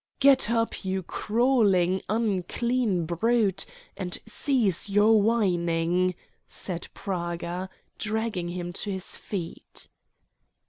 "Get up, you crawling, unclean brute, and cease your whining," said Praga, dragging him to his feet.